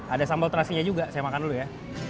ada sambal terasinya juga saya makan dulu ya